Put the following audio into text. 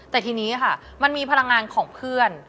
แต่ทีนี้ค่ะมันมีพลังงานของเพื่อน